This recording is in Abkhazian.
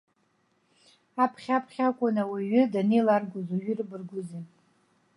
Аԥхьа-аԥхьа акәын ауаҩы данеиларгоз, уажәы ирыбаргәузеи!